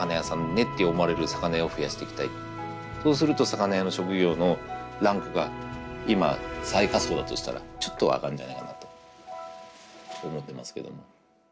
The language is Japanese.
そうすると魚屋の職業のランクが今最下層だとしたらちょっとは上がるんじゃないかなと思ってますけども。